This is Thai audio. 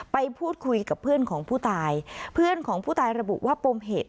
ไปพูดคุยกับเพื่อนของผู้ตายเพื่อนของผู้ตายระบุว่าปมเหตุ